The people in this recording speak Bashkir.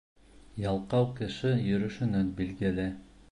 Ялҡау кеше йөрөшөнән билгеле.